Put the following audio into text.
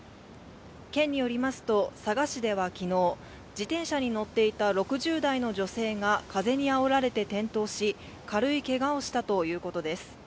県によりますと佐賀市では昨日、自転車に乗っていた６０代の女性が風にあおられて転倒し軽いけがをしたということです。